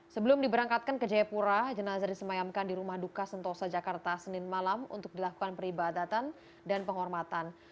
sebelum diberangkatkan ke jayapura jenazah disemayamkan di rumah duka sentosa jakarta senin malam untuk dilakukan peribadatan dan penghormatan